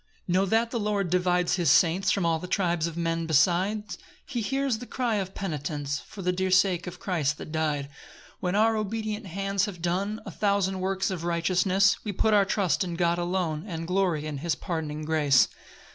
3 Know that the Lord divides his saints From all the tribes of men beside; He hears the cry of penitents For the dear sake of Christ that dy'd. 4 When our obedient hands have done A thousand works of righteousness, We put our trust in God alone, And glory in his pardoning grace.